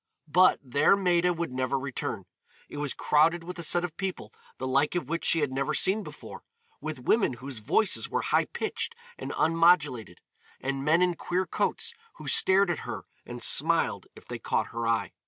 But there Maida would never return; it was crowded with a set of people the like of which she had never seen before, with women whose voices were high pitched and unmodulated, and men in queer coats who stared at her and smiled if they caught her eye.